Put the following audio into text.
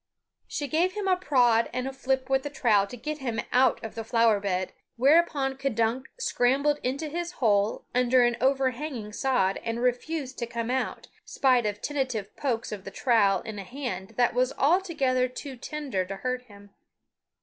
She gave him a prod and a flip with the trowel to get him out of the flower bed, whereupon K'dunk scrambled into his hole under an overhanging sod and refused to come out, spite of tentative pokes of the trowel in a hand that was altogether too tender to hurt him.